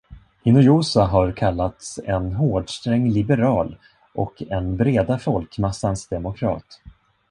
Hinojosa har kallats en "hård-sträng liberal" och en "breda folkmassans demokrat".